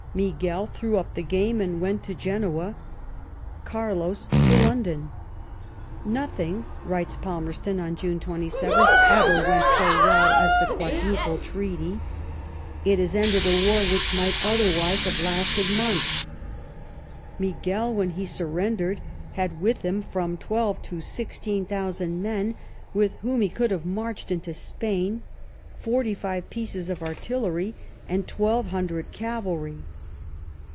Miguel threw up the game and went to Genoa, Carlos to London. Nothing [writes Palmerston on June 27] ever went so weU as the Quadruple Treaty. It has ended a war which might otherwise have lasted months. Miguel, when he surrendered, had with him from twelve to sixteen thousand men, with whom he could have marched into Spain, forty five pieces of artillery, and twelve hundred cavalry.